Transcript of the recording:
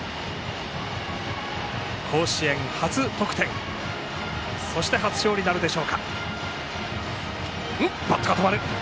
甲子園で初得点そして、初勝利なるでしょうか。